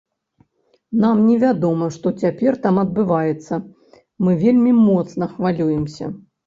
Нам невядома, што цяпер там адбываецца, мы вельмі моцна хвалюемся.